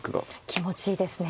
気持ちいいですね。